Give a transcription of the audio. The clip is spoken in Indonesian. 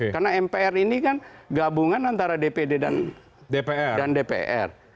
karena mpr ini kan gabungan antara dpd dan dpr